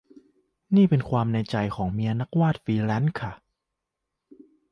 นี่เป็นความในใจของเมียนักวาดฟรีแลนซ์ค่ะ